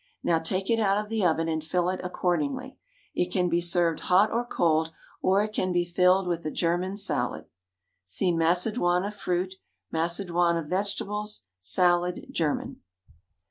Now take it out of the oven and fill it accordingly. It can be served hot or cold, or it can be filled with a German salad. (See MACEDOINE OF FRUIT; MACEDOINE OF VEGETABLES; SALAD, GERMAN.)